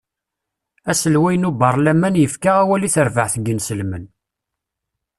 Aselway n ubarlaman yefka awal i terbaɛt n isenslmen.